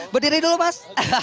berdiri dulu mas